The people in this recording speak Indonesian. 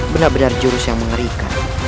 benar benar jurus yang mengerikan